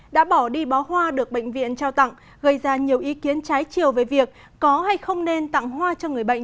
đã bỏ đi bó hoa được bệnh viện trao tặng gây ra nhiều ý kiến trái chiều về việc có hay không nên tặng hoa cho người bệnh